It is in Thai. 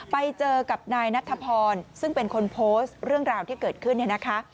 ไปเจอกับนายนัทพรซึ่งเป็นคนโพสต์เรื่องราวที่เกิดขึ้นเนี่ยนะคะ